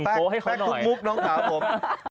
อ๋อแปลกทุกมุกน้องขาวผม